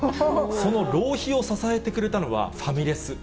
その浪費を支えてくれたのは、ファミレス。